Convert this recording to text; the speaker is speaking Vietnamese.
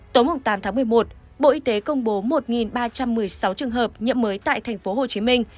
tối tám tháng một mươi một bộ y tế công bố một ba trăm một mươi sáu trường hợp nhiễm mới tại thành phố hồ chí minh